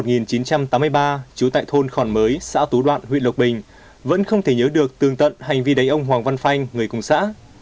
năm một nghìn chín trăm sáu mươi ba chú tại thôn khòn mới xã tú đoạn huyện lộc bình vẫn không thể nhớ được tương tận hành vi đánh ông hoàng văn phanh người cùng xã